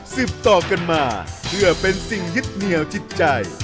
สิบต่อกันมาเพื่อเป็นสิ่งยึดเหนียวจิตใจ